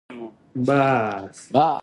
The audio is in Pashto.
اداره د خلکو خدمت ته دوام ورکوي.